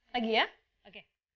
lagi ya oke